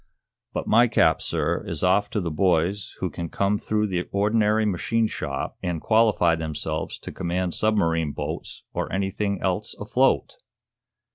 But my cap, sir, is off to boys who can come through the ordinary machine shop and qualify themselves to command submarine boats or anything else afloat!"